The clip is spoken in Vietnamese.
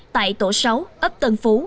tại tổ sáu ấp tân phú